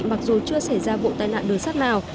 mặc dù chưa xảy ra vụ tai nạn đường sắt nào